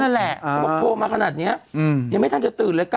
เขาบอกโทรมาขนาดนี้ยังไม่ทันจะตื่นเลย